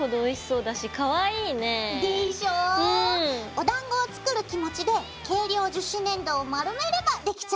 おだんごを作る気持ちで軽量樹脂粘土を丸めればできちゃうからね。